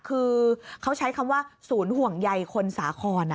คือเขาใช้คำว่าศูนย์ห่วงใยคนสาคร